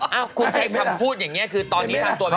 คุณก็ใช่คำพูดอย่างเนี่ยคือตอนนี้ทำตัวเป็นคนดี